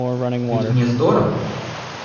Ведь мне здорово.